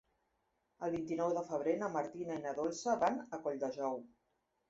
El vint-i-nou de febrer na Martina i na Dolça van a Colldejou.